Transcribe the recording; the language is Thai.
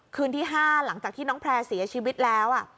คืนที่๕หลังจากที่น้องแพร่เสียชีวิตแล้ว